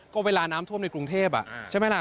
ก็เวลาน้ำท่วมในกรุงเทพใช่ไหมล่ะ